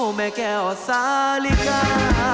แม่แก้วสาลิกา